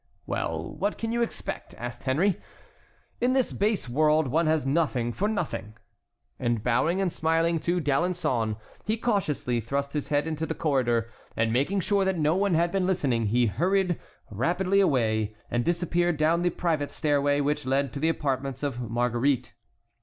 "Well, what can you expect?" said Henry; "in this base world one has nothing for nothing!" And bowing and smiling to D'Alençon, he cautiously thrust his head into the corridor, and making sure that no one had been listening, he hurried rapidly away, and disappeared down the private stairway which led to the apartments of Marguerite.